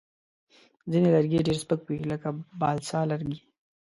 ځینې لرګي ډېر سپک وي، لکه بالسا لرګی.